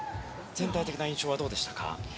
全体的な印象はどうでしたか。